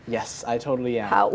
ya saya benar benar berharap